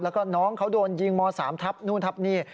แล้วก็น้องเขาโดนยิงม๓ทับนู่นทับนี่